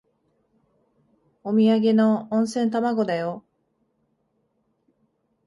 おみやげの温泉卵だよ。